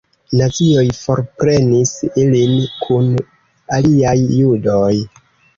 Nazioj forprenis ilin kun aliaj judoj.